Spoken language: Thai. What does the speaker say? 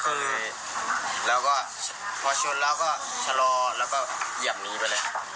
แบบไปข้างซ้ายเข้ามาแล้วก็พุ่งชนเลยพอชนแล้วก็ชะลอแล้วก็เหยียบหนีไปเลย